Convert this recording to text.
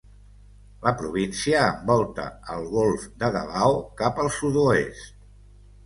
La província envolta el golf de Davao cap al sud-oest.